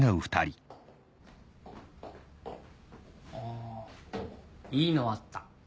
あいいのあった。